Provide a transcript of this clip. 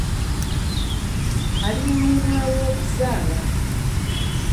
Ali mu luwummula lw'okuzaala.